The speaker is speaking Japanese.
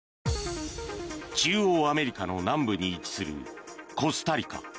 中央アメリカの南部に位置するコスタリカ。